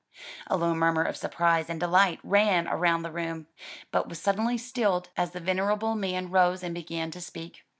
A low murmur of surprise and delight ran round the room, but was suddenly stilled, as the venerable man rose and began to speak.